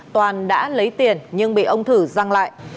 toàn đã lấy tiền nhưng bị ông thử răng lại